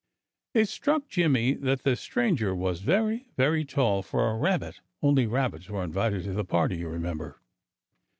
It struck Jimmy that the stranger was very, very tall for a rabbit. Only rabbits were invited to the party, you remember.